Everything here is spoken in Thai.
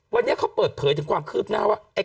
วันนี้เขาเปิดเผยถึงความคืบหน้าว่า